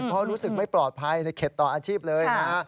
เพราะรู้สึกไม่ปลอดภัยในเข็ดต่ออาชีพเลยนะฮะ